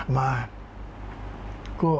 พระเจ้าหยุดลูกท่านพระเจ้าหยุดลูกท่าน